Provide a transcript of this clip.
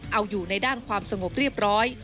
เอาอยู่ในด้านความสงบเรียบร้อย